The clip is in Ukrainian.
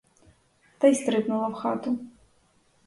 Та й стрибнула в хату.